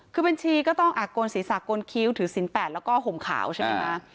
คือบัญชีก็ต้องโกนศีรษะโกนคิ้วถือศิลปแล้วก็ห่มขาวใช่ไหมคะ